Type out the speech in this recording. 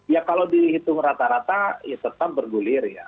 ya kalau dihitung rata rata ya tetap bergulir ya